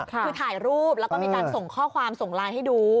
คือถ่ายรูปแล้วก็มีการส่งข้อความส่งไลน์ให้ดู